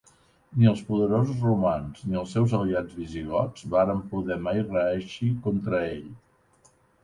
Ni els poderosos romans ni els seus aliats visigots varen poder mai reeixir contra ell.